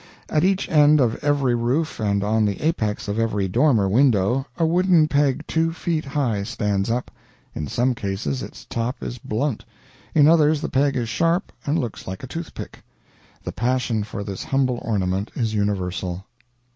At each end of every roof and on the apex of every dormer window a wooden peg two feet high stands up; in some cases its top is blunt, in others the peg is sharp and looks like a toothpick. The passion for this humble ornament is universal.